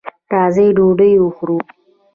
راځه ډوډۍ وخورو.